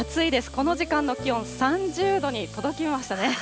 この時間の気温３０度に届きましたね。